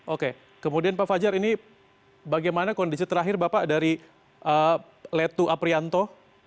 oke kemudian pak fajar ini bagaimana kondisi terakhir bapak dari letu aprianto